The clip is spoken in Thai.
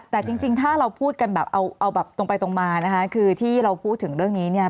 แต่จริงถ้าเราพูดกันแบบเอาแบบตรงไปตรงมานะคะคือที่เราพูดถึงเรื่องนี้เนี่ย